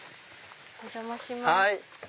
お邪魔します。